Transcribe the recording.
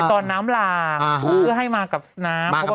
ก็คือไปสึกศาล